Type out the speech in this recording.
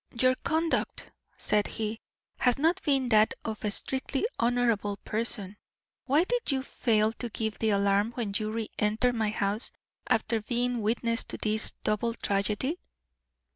"Your conduct," said he, "has not been that of a strictly honourable person. Why did you fail to give the alarm when you re entered my house after being witness to this double tragedy?"